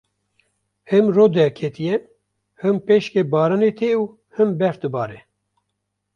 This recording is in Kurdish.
Him ro derketiye, him peşkê baranê tê û him berf dibare.